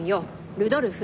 「ルドルフ」。